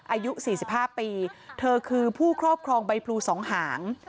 อายุสี่สิบห้าปีเธอคือผู้ครอบครองใบพลูสองหาง